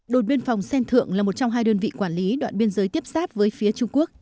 đội biên phòng xen thượng là một trong hai đơn vị quản lý đoạn biên giới tiếp sáp với phía trung quốc